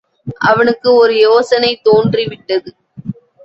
அவனுக்கு ஒரு யோசனை தோன்றிவிட்டது.